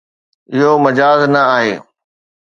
اهو مجاز نه آهي